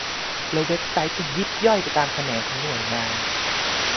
แล้วเว็บไซต์ก็ยิบย่อยไปตามแขนงของหน่วยงาน